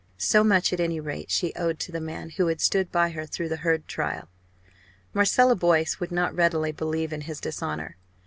So much at any rate she owed to the man who had stood by her through the Hurd trial. Marcella Boyce would not readily believe in his dishonour!